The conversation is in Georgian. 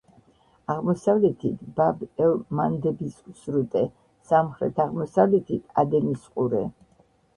აღმოსავლეთით ბაბ-ელ-მანდების სრუტე, სამხრეთ-აღმოსავლეთით ადენის ყურე.